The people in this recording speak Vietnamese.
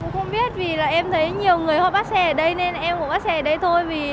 không biết vì là em thấy nhiều người họ bắt xe ở đây nên em cũng bắt xe ở đây thôi vì